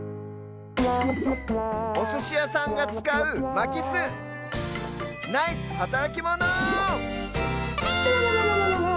おすしやさんがつかうまきすナイスはたらきモノ！